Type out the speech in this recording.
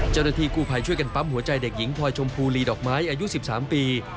เจ้าหน้าที่กู้ภัยช่วยกันปั๊มหัวใจเด็กหญิงพลอยชมพูลีดอกไม้อายุ๑๓ปี